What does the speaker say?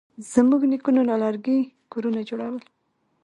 زموږ نیکونه له لرګي کورونه جوړول.